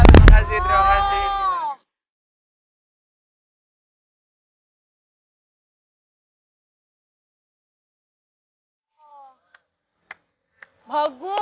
yaudah pulang dulu